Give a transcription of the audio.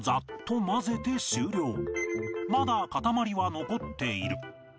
まだ塊は残っている